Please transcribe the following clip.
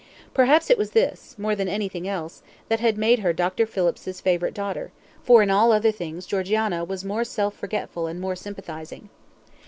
Perhaps it was this, more than anything else, that had made her Dr. Phillips's favourite daughter, for in all other things Georgiana was more self forgetful and more sympathising.